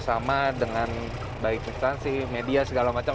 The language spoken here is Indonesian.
sama dengan baik instansi media segala macam